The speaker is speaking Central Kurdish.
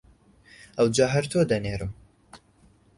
ئەوجار هەر تۆ دەنێرم!